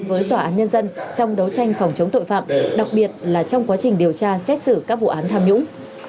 với tòa án nhân dân trong đấu tranh phòng chống tội phạm đặc biệt là trong quá trình điều tra xét xử các vụ án tham nhũng